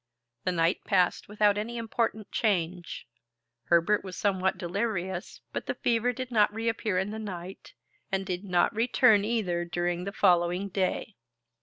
The night passed without any important change. Herbert was somewhat delirious, but the fever did not reappear in the night, and did not return either during the following day.